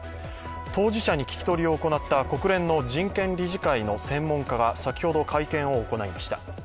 当事者に聞き取りを行った国連の人権理事会の専門家が先ほど会見を行いました。